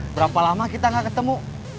berapa lama kita gak ketemu